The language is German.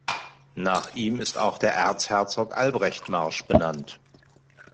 Nach ihm ist auch der Erzherzog-Albrecht-Marsch benannt.